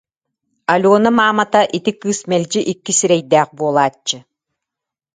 Алена маамата, ити кыыс мэлдьи икки сирэйдээх буолааччы